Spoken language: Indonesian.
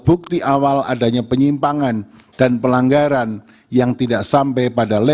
kekuatan kematian dan penghormatan penyeluh dan outra yang dilakukan oleh k bretagne